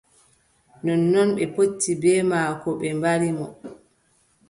Nonnon ɓe potti bee maako ɓe mbari mo.